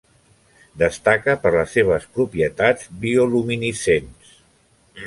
Destaca per les seves propietats bioluminescents.